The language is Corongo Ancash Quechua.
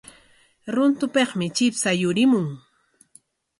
Runtupikmi chipsha yurimun.